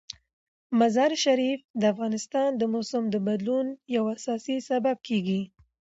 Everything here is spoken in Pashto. مزارشریف د افغانستان د موسم د بدلون یو اساسي سبب کېږي.